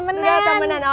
pake bahasa indonesia